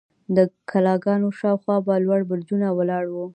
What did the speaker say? د کلاګانو شاوخوا به لوړ برجونه ولاړ وو.